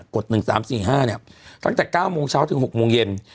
กฎหนึ่งสามสี่ห้าเนี้ยตั้งแต่เก้าโมงเช้าถึงหกโมงเย็น